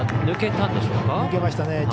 抜けましたね。